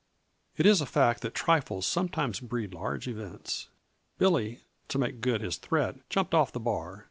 It is a fact that trifles sometimes breed large events. Billy, to make good his threat, jumped off the bar.